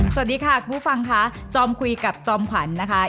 สวัสดีค่ะผู้ฟังค่ะจอมคุยกับจอมขวัญนะคะ